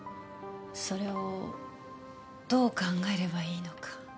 それをどう考えればいいのか。